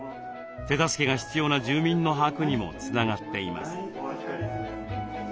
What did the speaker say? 手助けが必要な住民の把握にもつながっています。